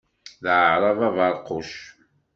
D aɛrab aberquc.